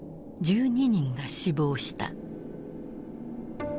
１２人が死亡した。